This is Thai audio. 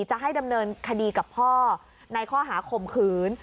จะให้ดำเนินคดีกับพ่อในข้อหาข่มขืน